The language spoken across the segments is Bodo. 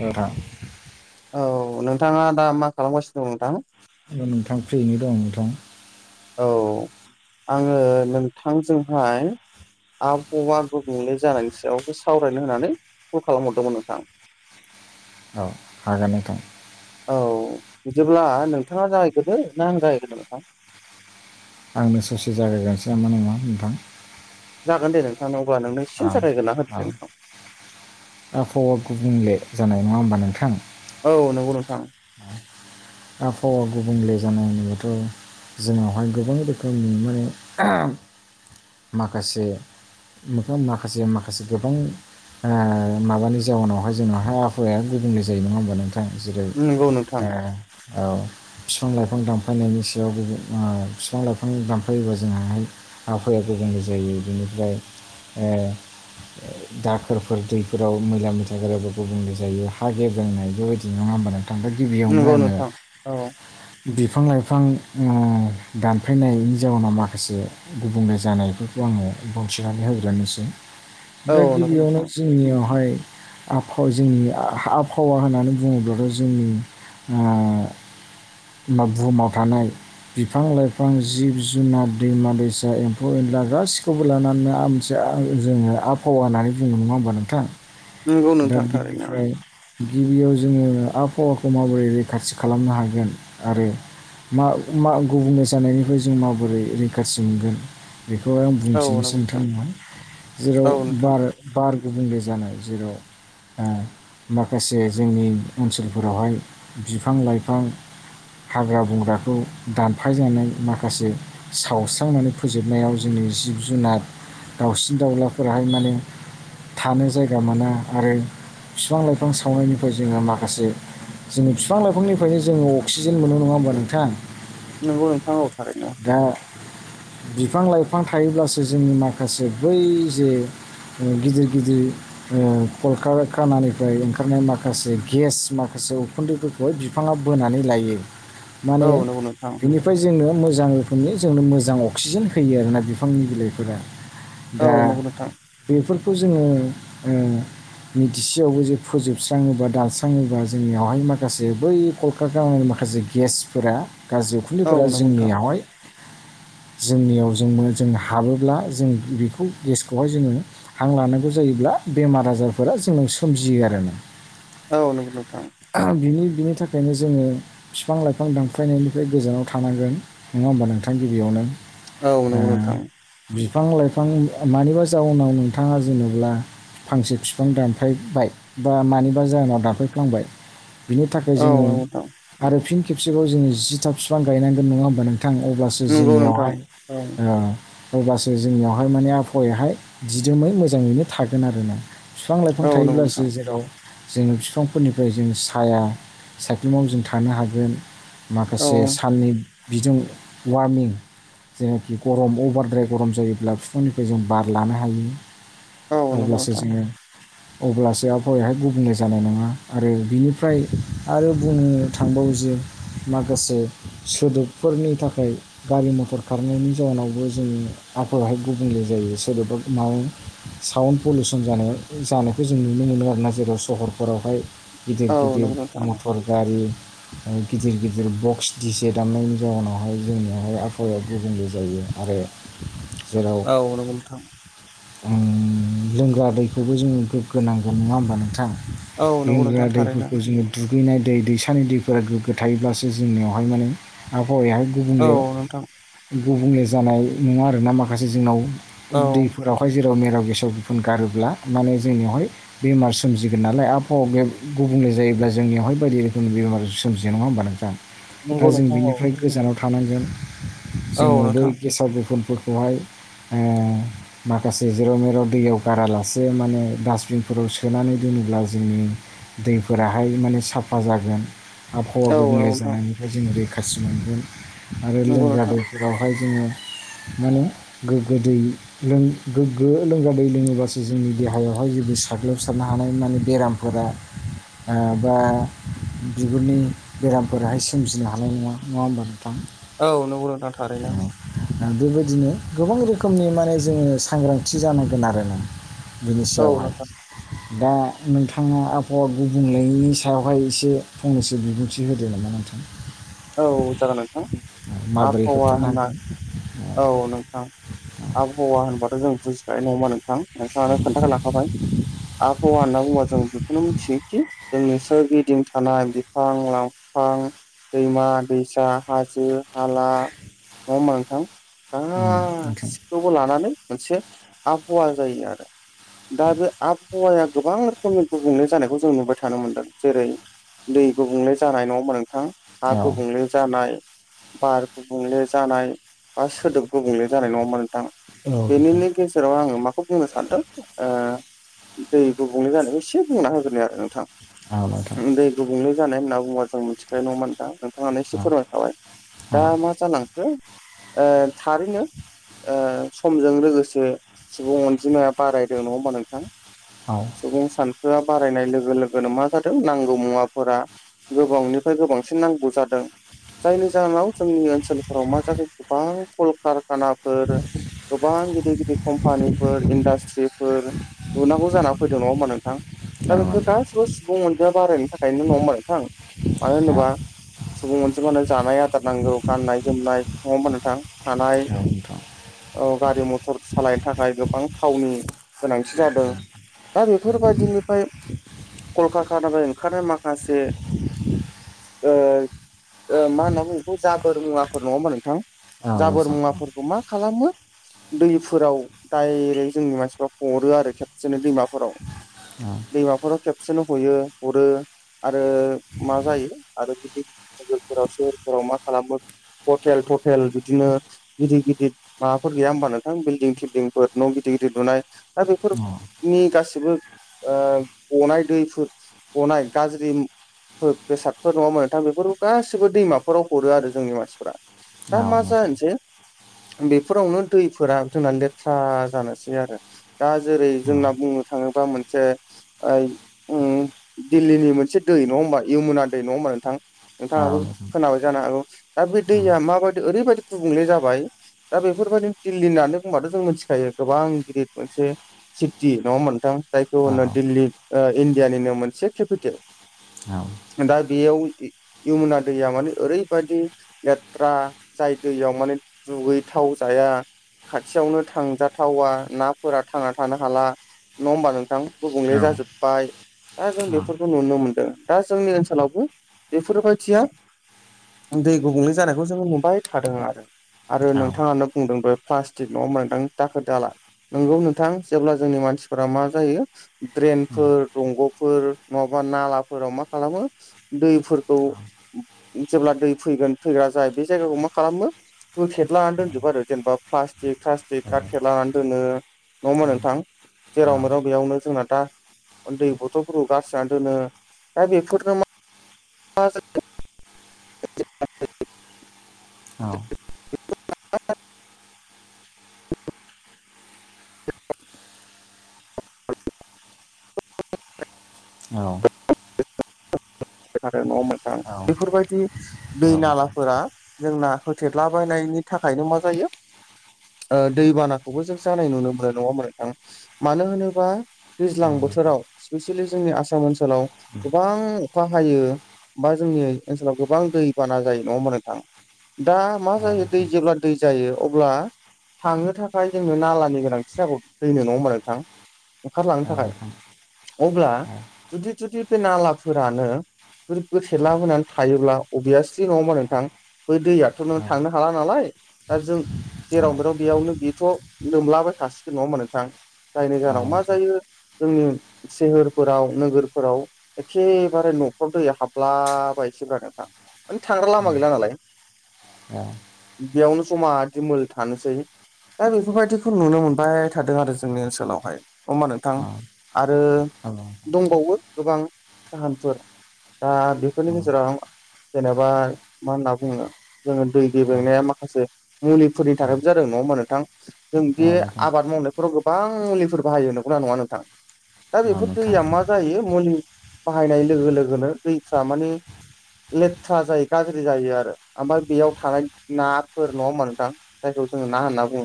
नोंथां औ नोंथाङा दा मा खालामगासिनो दं नोंथां नोंथां फ्रिनो दं नोंथां औ आङो नोंथांजोंहाय आबहावा गुबुंले जानायनि सायावसो सावरायनो होननानै कल खालामहरदोंमोन नोंथां औ हागोन नोंथां औ बिदिब्ला नोंथाङा जाहैग्रोदो ना आं जागायग्रोनो नोंथां आंनो ससे जागाय गोनोसै नामा नोंथां जागोन दे नों [unintelligible] आ आ आबहावा गुबुंले जानाय नङा होमबा नोंथां औ नंगौ नोंथा आबहावा गुबुंले जानाय होनोबाथ' जोंनावहाय गोबां रोखोमनि माने माखासे माखासे माखासे गोबां माबानि जाउनावहाय जाउनावहाय आबहावाया गुबुंले जायो नङा होनबा नोंथां औ जेरै नंगौ नोंथां ओ औ बिफां लाइफां दानफायनायनि सायावबो बिफां लाइफां दानफायोबा जोंहाहाय आबहावाया गुबुंले जायो बिनिफ्राय दाखोरफोर दैफोराव मैला मैथा गोराबो गुबुंले जायो हा गेब्रोंनाय बेबायदि नङा होनोमबानो ओमफ्राय गिबियावनो नंगौ आङो नोंथां औ बिफां लाइफां उम दानफायनायनि जाउनाव माखासे गुबुंले जानायफोरखौ आङो फंसे होग्रोनोसै बे दा औ नंगौ गिबियावनो ज नोंथां जोंनियावहाय आबहाव जोंनि आबहावा होननानै बुङोब्लाथ' जोंनि बुहुमाव थानाय बिफां लाइफां जिब जुनार दैमा दैसा एम्फौ एनला गासैखौबो लानानै आ जोङो आबहावा होननानै जोङो नङा होमबा नोंथां नंगौ दा नोंथां थारैनो बिनिफ्राय गिबियाव जोङो आबहावाखौ माबोरै रैखाथि खालामनो हागोन आरो मा मा गुबुंले जानायनिफ्राय जों माबोरै रैखाथि मोनगोन बेखौहाय आं औ बुंथिनोसै नंगौ नोंथां नोंथांमोनहा जेराव औ नोंथां बार बार गुबुंले जानाय जेराव माखासे जोंनि ओनसोलफोरावहाय बिफां लाइफां हाग्रा बंग्राखौ दानफाय जानाय माखासे सावस्रांनानै फोजोबनायाव जोंनि जिब जुनार दाउसिन दाउलाफोराहाय माने थानो जायगा मोना आरो बिफां लाइफां सावनायनिफ्राय जोङा माखासे जोङो बिफां लाइफांनिफ्रायनो जोङो अक्सिजेन मोनो नङा होमबा नोंथां नंगौ नोंथां औ थारैनो दा बिफां लाइफां थायोब्लासो जोंनि माखासे बै जे गिदिर गिदिर ओ कलकारखानानिफ्राय ओंखारनाय माखासे गेस माखासे उखुन्दैफोर गय बिफाङा बोनानै लायो [inaudible] माने नंगौ नोंथां बिनिफ्राय जोंनो मोज मोजां रोखोमनि जोंनो मोजां अक्सिजेन होयो आरोना बिफांनि बिलाइफोरा औ दा नंगौ नोंथां बेफोरखौ जोङो ओ मिथिसेयावबो जे फोजोबस्राङो बा दानस्राङोबा जोंनियावहाय माखासे बै कलकारखानानिफाय माखासे गेसफोरा गाज्रि औ उखुन्दैफोरा नंगौ नोंथां जोंनियावहाय जोंनियाव जोंनो जों हाबोब्ला जों बेखौ गेसखौहाय जोङो हां लानांगौ जायोब्ला बेमार आजारफोरा जोंनाव सोमजियो आरोना औ नोंगौ नोंथां बिनि बिनि थाखायनो जोङो बिफां लाइफां दानफायनायनिफ्राय गोजानाव थानांगोन नङा होमबा नोंथां गिबियावनो औ ओ नंगौ नोंथां बिफां लाइफां मानिबा जाउनाव नोंथाङा जेनेब्ला फांसे बिफां दानफायबाय बा मानिबा जाहोनाव दानफायफ्लांबाय बिनि थाखाय औ जोङो नंगौ नोंथां आरो फिन खेबसेबाव जोङो जि था बिफां गायनांगोन नङा होमबा थां अब्लासो नंगौ नोंथां जोंनियावहाय औ ओ अब्लासो जोंनियावहाय माने आबहावायाहाय दिदोमै मोजाङैनो थागोन आरोना बिफां लाइफां औ नंगौ थायोब्लासो नोंथां जेराव जोङो बिफांफोरनिफ्राय जों साया सायख्लुमाव जों थानो हागोन औ माखासे साननि बिदुं वार्मिं जेनाखि गरम अभारद्राय गरम जायोब्ला बिफांनिफ्राय जों बार लानो हायो औ नंगौ अब्लासो नोंथां जोङो [inaudible] अब्लासो आबहावायाहाय गुबुंले जानाय नङा आरो बिनिफ्राय आरो बुंनो थांबावो जे माखासे सोदोबफोरनि थाखाय गारि मथर खारनायनि जाउनावबो जों आबहावायाहाय गुबुंले जायो सोदोबा मा साउन्ड पलिउसन जानाय जानायखौ जों नुनो मोनो आरोना जेराव सहरफोरावहाय गिदिर औ गिदिर नंगौ नोंथां मथर गारि गिदिर गिदिर बक्स दिसे दामनायनि जउनावहाय जोंनि आबहावाया गुबुंले जायो आरो जेराव औ नंगौ नोंथां उम लोंग्रा दैखौबो जोंङो गोग्गोनागोन नङा होमबा नोंथां। औ नंगौ लोंग्रा नोंथां थारैनो दैफोरखौ जोंङो दुगैनाय दै दैसानि दैफोरा गोगो थायोब्लासो जोंनियावहाय माने आबहावायाहाय औ गुबुंले नोंथां गुबुंले जानाय नंङा आरोना माखासे जोंनाव औ दैफोराव। जेराव मेराव गेसाव गोफोन गारोब्ला माने जोंनियावहाय। बेमार सोमजिगोन नालाय आबहावा बेहाय गुबुंले जायोब्ला जोंनियावहाय बायदि रोखोमनि बेमार सोमजियो नंङा होमबा नोंथां। दा नंगौ जों नोंथां औ बेनिफ्राय गोजानाव थानांगोन औ जोंङो बै नोंथां गेसाव गोफोनफोरखौहाय ओ माखासे जेराव मेराव दैयाव गारालासे माने डासबिनफोराव सोनानै दोनोब्ला जोंनि दैफोराहाय माने साफा जागोन। आबहावा औ नंगौ गुबुंले नोंथां जानायनिफ्राय जोंङो रैखाथि मोनगोन आरो नंगौ लोंग्रा नोंथां दै जेरावहाय जोंङो माने गोगो दै गोगो लोंग्रा दै लोङोबासो जोंनि देहायावहाय जेबो साग्लोबसारनाय हानाय माने बेराम। बा बिगुरनि बेरामफोराहाय सोमजिनो हानाय नंङा, नंङा होमबा नोथां। औ नोंगौ नोंथां थारैनो। बेबायदिनो गोबां रोखोमनि मालायजों सांग्रांथि जानांगोन आरो ना? बिनि औ सायावहाय। नोंथां दा नोंथाङा आबहावा गुबुंलेनि सायावहाय एसे फंनैसो बिबुंथि होदो नामा नोंथां। औ जागोन नोंथां माबोरै आबहावा होनना। [inaudible] औ नोंथां आबहावा होनबाथ' जों बुजिखानाय नङाहोबा नोंथां। नोंथाङा खोन्थाना लाखाबाय आबहावा होना बुंबा जों बेखौनो मिथियोदि। जोंनि सोर गिदिं थानाय बिफां लाइफां। दैमा-दैसा, हाजो-हाला, नंङा होमबा नोंथां। उम, नोंथां गसिखौबो लानानै मोनसे आबहावा जायो आरो। दा बे आबहावाया गोबां रोखोमनि गुबुंले जानायखौ जों नुबाय थानो मोनदों जेरै- दै गुबुंले जानाय नंङा होमबा नोंथां। नोंथां हा औ गुबुंले जानाय बार गुबुंले जानाय। बा सोदोब गुबुंले जानाय नंङा होमबा नोंथां नोंथां बेनिनो गेजे जेराव आंङो माखौ बुंनो सानदों ओ दै गुबुंले जानायखौ एसे बुंना होग्रोनि आरो नोंथां। [unintelligible] दै गुबुंले जानाय होनना बुंब्ला जों मिथिखायो नंङा होमबा नोंथां, नोंथांआनो एसे औ फोरमाय औ दा मा जालांखो। ओ थारैनो समजों ओ लोगोसे सुबुं अनजिमाया। बारायदों नंङा होमबा नोंथां। औ। सुबुं सानखोआ बारायनाय लोगो लोगोनो मा जादों नांगौ मुवाफोरा। गोबांनिफ्राय गोबांसिन नांगौ जादों जायनि जाहोनाव जोंनि ओनसोल। हरावमा जादों गोबां कलकारखानाफोर। गोबां गिदिर गिदिर कम्पानिफोर इन्डास्ट्रिफोर। लुनांगौ जाना फैदों नंङा होनोमबा नोंथां दा नोंथां औ नोंथां औ नोंथां औ नोंथां औ बेफोर गासिबो। सुबुं अजिमा बारायनायनि थाखायनो नंङा होमबा नोंथां मानो होनोब्ला। सुबुं अनजिबानो जानाय आदार नांगौ गाननाय जोमनाय नंङा होमबा नोंथां थानाय। औ गारि मथर सालायनो थाखाय गोबां थावनि गोनांथि जादों। दा बेफोरबायदिनिफ्राय कलकारानिफ्राय ओंखारनाय माखासे। ओ मा होनना बुंङो बेखौ जाबोर मुवाफोर नंङा होमबा नों थां जाबोर मुवाफोरखौ मा खालामो दैफोराव डायरेक्ट जोंनि मानसिफ्रा हरो आरो खेबखुसेनो दैमाफोराव उम दैमाफोराव खेबसेनो हयो हरो आरो मा जायो आरो बि नोगोरफोराव सोहोरफोराव मा खालामो हटेल थटेल बिदिनो गिदिर गिदिर माबाफोर गैया होमबा नोंथां बिल्डिं थिल्डंफोर न' गिदिर गिदिर लुनाय दा बेफोर नि गासिबो ओ गनाय दैफोर गनाय गाज्रि बेसादफोर नङा ओमबा नोंथां बेफोर गासिबो दैमाफोराव हरो आरो जोंनि मानसिफोरा दा मा जानोसेै बेफोरावनो दैफोरा जोंना लेथ्रा जानोसै आरो दा जेरै जोंना बुंनो थांङोबा मोनसे ओ उम दिल्लीनि मोनसे दै नंङा होमबा इयमुना दै नंङा होमबा नोंथां? नोंथाङाबो खोनाबाय जानो हागौ दा बे दैया माबायदि ओरैबायदि गुबुंले जाबाय। दा बेफोरबायदि दिल्ली होननानै बुंबाथ' जों मिथिखायो गोबां गिदद मोनसे सिपटि नङा होमबा नोंथां जायखौ होनो दिल्ली ओ इण्डियानिनो मोनसे खेपिटे दा बेयाव इ इयमुना दैया माने ओरैबादि लेट्रा जाय दैयाव माने दुगै थाव जाया खाथियावनो थांजाथावा नाफोरा थांना थानो हाला नङा होमबा नोंथां? गुबुंले जाजोब बाय आ जों बेफोरखौ नुनो मोनदों दा जोंनि ओनसोलावबो बेफोरबायदिया दै गुबुंले जानायखौ जोङो नुबाय थादों आरो आरो नोंथाङानो बुंदों बो फ्लास्टिक नङा होमबा नोंथां दाखोर- दाला नोंगौ नोंथां जेब्ला जोंनि मानसिफोरा मा जायो ड्रेनफोर दंग'फोर नङाबा नालाफोराव मा खालामो दैफोरखौ [unintelligible] जेब्ला दै फैगोन फैग्रा जाय बे जायगाखौ मा खालामो बो फेद लानानै दोनजोबबो आरो जेनेबा फ्लास्टिक थास्टिक गारथे लानानै दोनो नङा ओमबा नोंथां? औ जेराव मोनो बेयावनो जोंना दा ओ दैै बथ'लफोरखौ गारस्रिनानै दोनो दा बेफोरनो मा मा [unintelligible] [unintelligible] औ। [unintelligible] औ। [unintelligible] नङा ओमबा नोंथां बेफोरबायदि दै नोंथां नालाफोरा जोंना होथेरलाबायनायनि थाखायनो मा जायो ओ दैबानाखौबो जों जानाय नुनो मोनो नङा ओमबा नोंथां मानो होनोबा दैज्लां औ नोंथां बोथोराव स्पेसियेलि जोंनि आसाम ओनसोलाव उम गोबां अखा हायो बा जोंनि ओइ ओनसोलाव गोबां दै बाना जायो नङा होमबा नोंथां दा मा औ [unintelligible] दै नोंथां जेब्ला दै ज जायो अब्ला थांनो थाखाय जोंनो नालानि गोनांथि जागौ दैनो नङा होमबा नोंथां? ओंखारलांनो औ थाखाय नोंथां अब्ला औ जुदि थुदि बे नालाफोरानो [unintelligible] गोथेला होनानै थायोब्ला अभियासलि नङा ओमबा नोंथां? बै दैयाथ' नों थांनो हाला नालाय दा जों जेराव बेेराव बेयावनो बेथ' नोमलाबाय थासिगोन नङा होमबा नोंथांं? जायनि औ जाहोनाव मा नोंथां जायो जोंनि सोहोरफोराव नोगोरफोराव एखेबारे न'खाव दै हाबलाबायसैब्रा नोंथां। माने थांग्रा लामा गैला नालाय अ। बेयावनो जमा दिमोल थानोसै। दा [unintelligible] बेफोरबायदिखौ नुनो मोनबाय थादों आरो जोंनि ओनसोलावहाय अ ओमबा नोंथां आरो औ दंबावो गोबां जाहोनफोर दा बेफोरनि गेजेराव आं जेनेबा मा होनना बुङो जोङो दै गेबेंनाया माखासे मुलिफोरनि थाखायबो जादों नङा होमबा नोंथां? जों औ नोंथां औ बे नोंथां आबाद औ मावनायफोराव गोबां मुलिफोर बाहायो नंगौना नङा नोंथां? दा बेफोर नोंथां औ दैया मा जायो मुलि बाहायनाय लोगो लोगोनो दैफ्रा माने लेथ्रा जायो गाज्रि जायो आरो ओमफाय बेयाव थानाय नाफोर नङा नोंथां। जायखौ जोङो ना होनना बुङो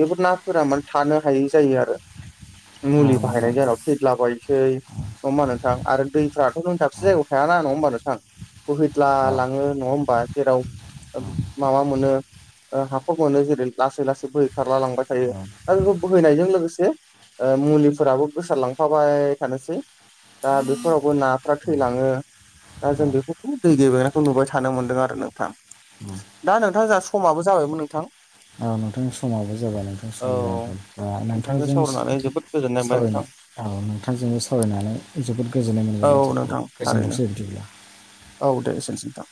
बेफोर नाफोरा माने थानो हायै जायो आरो। मुलि औ बाहायनाय [unintelligible] थैदला बायनोसै [unintelligible] थां आरो दैफ्राथ' नों दाबसे जायगायाव थायाना नङा होमबा नोंथां। बोहैद्ला लाङो नङा ओमबा जेराव [unintelligible] माबा मोनो ओ हाखर मोनो जेरै लासै लासै बोहै खारला लांबाय थायो दा बेखौ बोहैनायजों लोगोसे ओ मुलिफोराबो गोसारलांफाबाय थानोसै दा बेफोरावबो नाफ्रा थैलाङो दा जों बेफोरखौ दै गेबेनायखौ नुबाय थानो मोन्दों आरो नोंथां। दा नोंथां जोंहा समाबो जाबायमोन नोंथां। औ नोंथां समाबो जाबाय नोंथां समनि आंखाल। ओ नोंथांजों नानै जोबोद गोजोन्नाय मोनबाय सावरायनो नोंथां। औ नोंथांजोंबो सावरायनानै जोबोद गोजोननाय औ मोनबाय नोंथां। थारैनो गोजोनथोंसै बिदिब्ला। औ दे एसेनोसै नोंथां।